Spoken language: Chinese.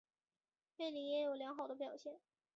贝里也有良好的表现。